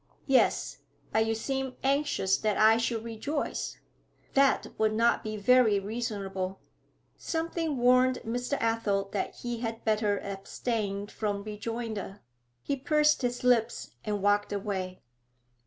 'Yes; but you seem anxious that I should rejoice. That would not be very reasonable.' Something warned Mr. Athel that he had better abstain from rejoinder. He pursed his lips and walked away.